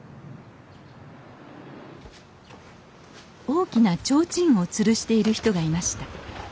大きな提灯をつるしている人がいました。